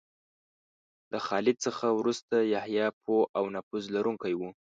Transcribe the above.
له خالد څخه وروسته یحیی پوه او نفوذ لرونکی و.